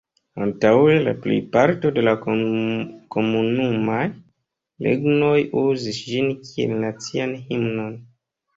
Antaŭe la plejparto de la Komunumaj Regnoj uzis ĝin kiel nacian himnon.